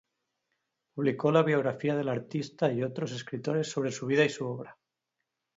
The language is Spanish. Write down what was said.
Publicó la biografía del artista y otros escritos sobre su vida y su obra.